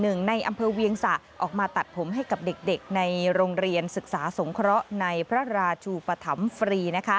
ในอำเภอเวียงสะออกมาตัดผมให้กับเด็กในโรงเรียนศึกษาสงเคราะห์ในพระราชูปธรรมฟรี